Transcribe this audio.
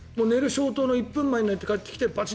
消灯の１分前に帰ってきてバチ